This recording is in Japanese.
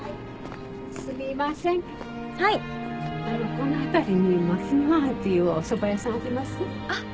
この辺りにマキノ庵っていうおそば屋さんあります？あっ。